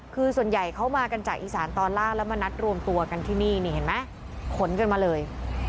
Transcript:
คือส่วนใหญ่เขามากันจากอีสานตอนล่างแล้วมานัดรวมตัวกันที่นี่นี่เห็นไหมขนกันมาเลย